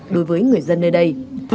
đối với người dân nơi đây